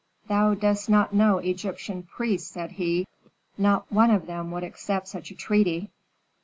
"Thou dost not know Egyptian priests," said he; "not one of them would accept such a treaty."